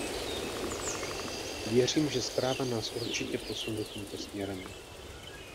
Věřím, že zpráva nás určitě posune tímto směrem.